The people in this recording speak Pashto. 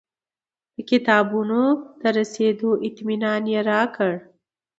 د کتابونو د رسېدو اطمنان یې راکړ.